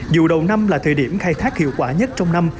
dù đầu năm là thời điểm khai thác hiệu quả nhất trong năm